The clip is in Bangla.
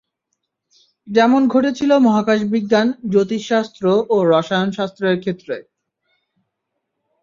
যেমন ঘটেছিল মহাকাশ বিজ্ঞান, জ্যোতিষশাস্ত্র ও রসায়ন শাস্ত্রের ক্ষেত্রে।